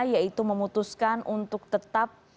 yaitu memutuskan untuk tetap